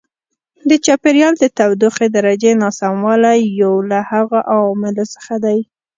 د چاپېریال د تودوخې درجې ناسموالی یو له هغو عواملو څخه دی.